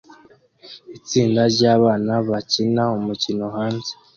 Itsinda ryabana bakina umukino hanze